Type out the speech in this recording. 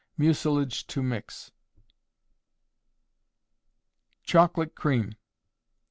Mucilage to mix. _Chocolate Cream.